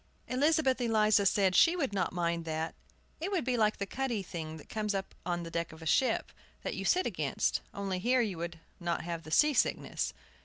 Elizabeth Eliza said she would not mind that. It would be like the cuddy thing that comes up on the deck of a ship, that you sit against, only here you would not have the sea sickness.